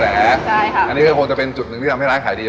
อันนี้ก็คงจะเป็นจุดหนึ่งที่ทำให้ร้านขายดี